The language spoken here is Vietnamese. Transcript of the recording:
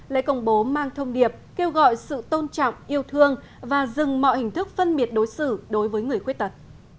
lễ công bố mang thông điệp kêu gọi sự tôn trọng yêu thương và dừng mọi hình thức phân biệt đối xử đối với người khuyết tật